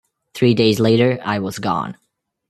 Three days later, I was gone.